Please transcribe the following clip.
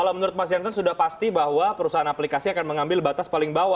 kalau menurut mas jansen sudah pasti bahwa perusahaan aplikasi akan mengambil batas paling bawah